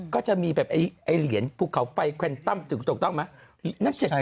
ก็บอกเมื่อก่อนเมื่อชั้นสองคนชอบนอนไม่หลับกันเนาะ